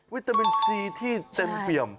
ตามินซีที่เต็มเปี่ยม